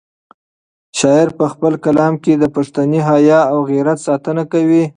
شاعر په خپل کلام کې د پښتني حیا او غیرت ساتنه کوي.